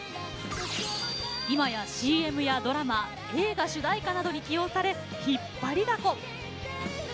今やＣＭやドラマ映画主題歌などに起用され引っ張りだこ。